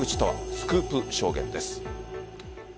スクープ証言です。